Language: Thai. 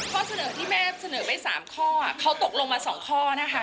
ข้อเสนอที่แม่เสนอไป๓ข้อเขาตกลงมา๒ข้อนะคะ